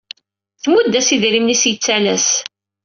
Tmudd-as idrimen i s-yettalas.